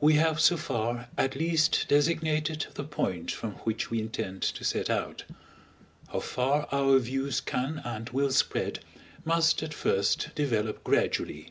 We have so far at least designated the point from which we intend to set out; how far our views can and will spread, must at first develop gradually.